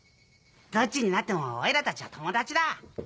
どっちになってもおいらたちは友達だ。